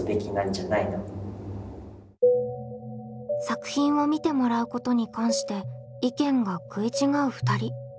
作品を見てもらうことに関して意見が食い違う２人。